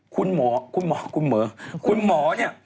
คุณหมอคุณหมอเนี่ย